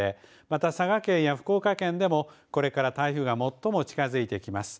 また佐賀県や福岡県でもこれから、台風が最も近づいてきます。